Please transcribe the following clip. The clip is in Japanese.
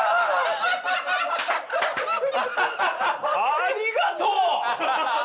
ありがとう！